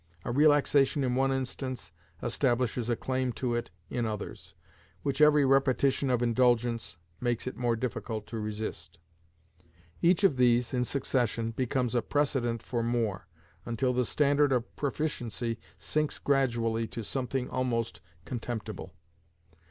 A relaxation in one instance establishes a claim to it in others, which every repetition of indulgence makes it more difficult to resist; each of these, in succession, becomes a precedent for more, until the standard of proficiency sinks gradually to something almost contemptible.